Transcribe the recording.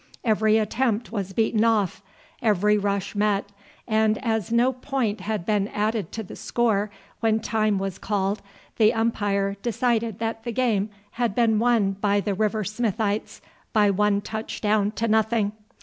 Every attempt was beaten off, every rush met, and as no point had been added to the score when time was called, the umpire decided that the game had been won by the River Smithites by one touch down to nothing.